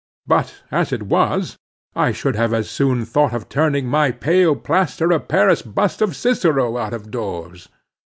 But as it was, I should have as soon thought of turning my pale plaster of paris bust of Cicero out of doors.